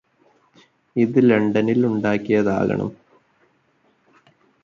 ഇത് ലണ്ടനില് ഉണ്ടാക്കിയതാകണം